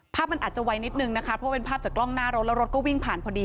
มันอาจจะไวนิดนึงนะคะเพราะเป็นภาพจากกล้องหน้ารถแล้วรถก็วิ่งผ่านพอดี